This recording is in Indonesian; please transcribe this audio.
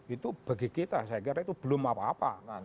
itu bagi kita saya kira itu belum apa apa